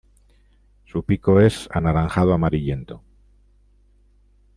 Su pico es anaranjado amarillento.